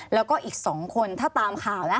แล้วก็อีก๒คนถ้าตามข่าวนะ